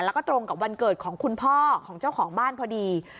แล้วก็ตรงกับวันเกิดของคุณพ่อของเจ้าของบ้านพอดี